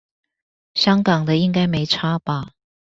香港的應該沒差吧